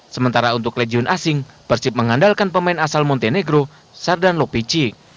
sementara untuk legion asing persib mengandalkan pemain asal montenegro sardan lopici